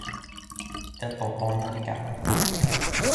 tenpo pona li kama.